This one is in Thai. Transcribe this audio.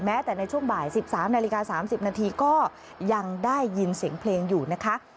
แต่ในช่วงบ่าย๑๓นาฬิกา๓๐นาทีก็ยังได้ยินเสียงเพลงอยู่นะคะ